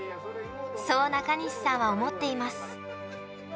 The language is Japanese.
そう中西さんは思っています。